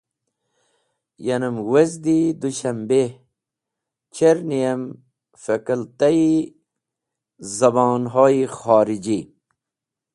Yanem wezdi Dushambeh, cherni’m Fakulta-e Zabonho-e Khoriji.